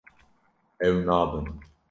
Ew nabin.